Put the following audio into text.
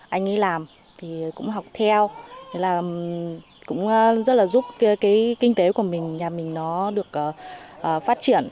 anh ấy làm thì cũng học theo là cũng rất là giúp cái kinh tế của mình nhà mình nó được phát triển